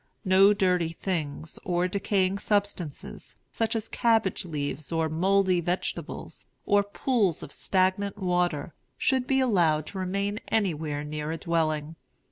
No dirty things, or decaying substances, such as cabbage leaves or mouldy vegetables, or pools of stagnant water, should be allowed to remain anywhere near a dwelling.